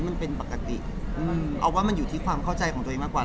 มันเป็นปกติเอาว่ามันอยู่ที่ความเข้าใจของตัวเองมากกว่า